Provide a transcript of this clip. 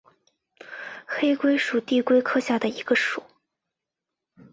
黑龟属是地龟科下的一个属。